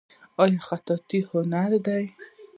آیا خطاطي هنر دی؟